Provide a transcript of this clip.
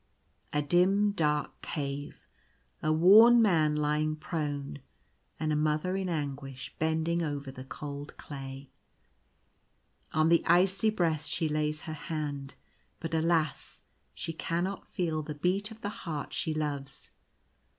— A dim, dark cave — a worn man lying prone, and a Mother in anguish bending over the cold clay. On the icy breast she lays her hand ; but alas ! she cannot feel the beat of the heart she loves.